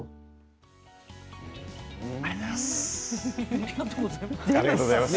ありがとうございます。